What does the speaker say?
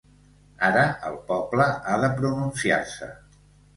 Ara el poble ha de pronunciar-se.